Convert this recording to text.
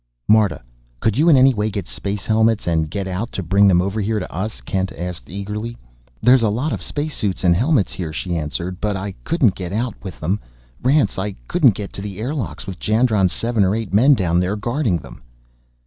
"Marta, could you in any way get space helmets and get out to bring them over here to us?" Kent asked eagerly. "There's a lot of space suits and helmets here," she answered, "but I couldn't get out with them, Rance! I couldn't get to the airlocks with Jandron's seven or eight men down there guarding them!"